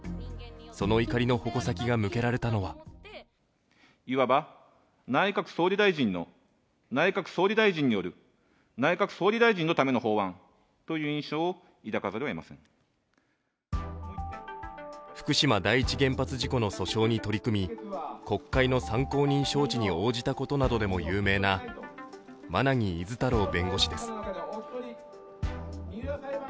その怒りの矛先が向けられたのは福島第一原発事故の訴訟に取り組み、国会の参考人招致に応じたことなどでも有名な馬奈木厳太郎弁護士手す。